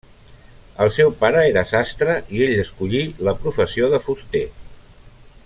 El seu pare era sastre i ell escollí la professió de fuster.